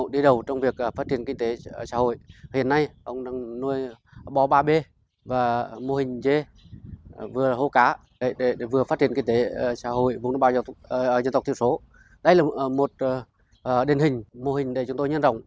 dân tộc thiểu số đây là một đền hình mô hình để chúng tôi nhân rộng